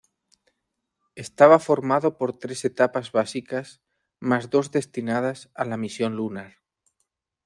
Estaba formado por tres etapas básicas más dos destinadas a la misión lunar.